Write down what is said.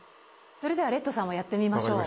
それではレッドさんもやってみましょう。